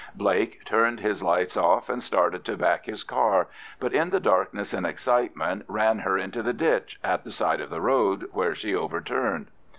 Blake turned his lights off and started to back his car, but in the darkness and excitement ran her into the ditch at the side of the road, where she overturned.